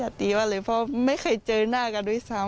ตีว่าเลยเพราะไม่เคยเจอหน้ากันด้วยซ้ำ